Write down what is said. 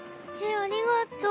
ありがとう。